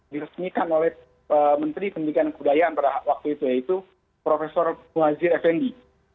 diresmikan oleh menteri pendidikan kedayaan pada waktu itu yaitu prof muazir effendi